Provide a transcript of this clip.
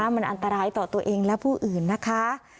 มันอันตรายต่อตัวเองและผู้อื่นนะคะ